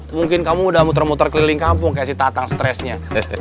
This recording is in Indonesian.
mungkin kamu udah muter muter keliling kampung kayak si tatang stresnya